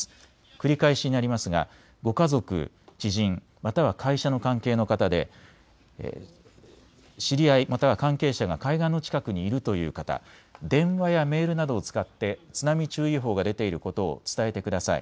繰り返しになりますがご家族、知人、または会社の関係の方で知り合い、また関係者が海岸の近くにいるという方、電話やメールなどを使って津波注意報が出ていることを伝えてください。